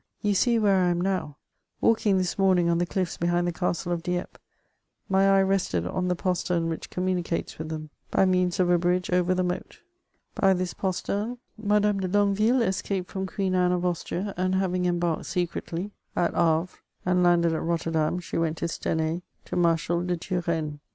You see where I am now. Walking this morning on the cliffs behind the castle of Dieppe, my eye rested on the postern which communicates with them by means of a bridge oyer the moat. By this postern Madame de Longueyille escaped from Queen Anne of Austria; and haying embarked secretly s,t Hayre, and landed at Rotterdam, she went to Stenay, to Mar shal de Turenne.